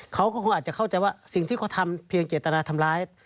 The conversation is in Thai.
เขาก็คงอาจจะเข้าใจว่าสิ่งที่เขาทำเพียงเจตนาทำร้าย